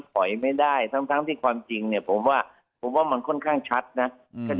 ถอยไม่ได้ทั้งที่ความจริงเนี่ยผมว่าผมว่ามันค่อนข้างชัดนะ